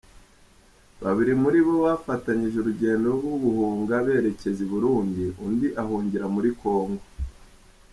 Babiri muri bo bafatanyije urugendo rwo guhunga berekeza i Burundi undi ahungira muri Congo.